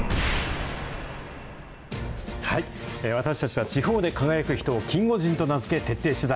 私たちは地方で輝く人をキンゴジンと名付け、徹底取材。